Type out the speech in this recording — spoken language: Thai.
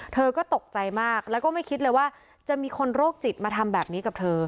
เธอก็ตกใจมากแล้วก็ไม่คิดเลยว่าจะมีคนโรคจิตมาทำแบบนี้กับเธอ